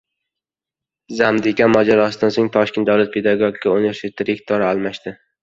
“Zamdekan” mojarosidan so‘ng Toshkent davlat pedagogika universiteti rektori almashdi